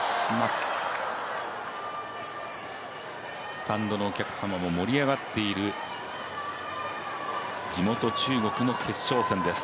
スタンドのお客様も盛り上がっている地元・中国の決勝戦です